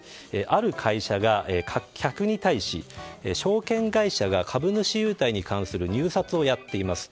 ある会社が客に対し証券会社が株主優待に関する入札をやっています。